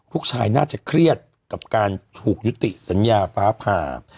ลูกชายน่าจะเครียดกับการถูกยุติสัญญาฟ้าผ่า